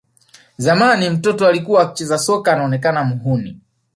Zamani mtoto alikuwa akicheza soka anaonekana mhuni